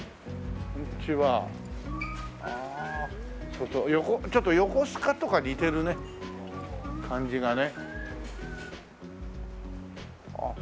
ああそうそうちょっと横須賀とか似てるね感じがね。